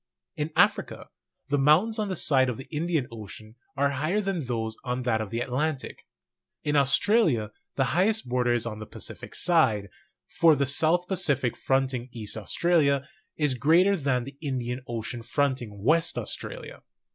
In Africa, the mountains on the side of the Indian Ocean; are higher than those on that of the Atlantic. In Aus tralia the highest border is on the Pacific side; for the South Pacific fronting east Australia, is greater than the Indian Ocean fronting west Australia.